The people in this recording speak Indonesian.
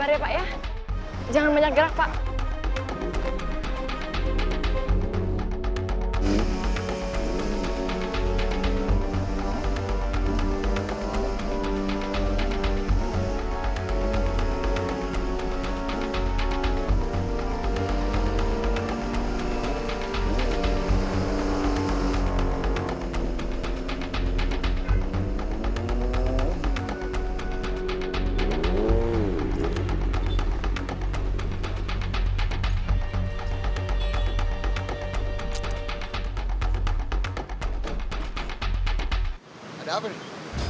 eeeh maaf pak